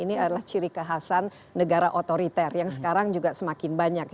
ini adalah ciri kehasan negara otoriter yang sekarang juga semakin banyak